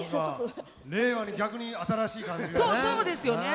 何か令和に逆に新しい感じがね。